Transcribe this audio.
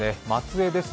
松江ですね。